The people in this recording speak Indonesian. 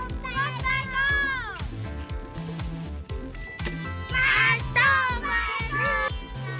masuk pak eko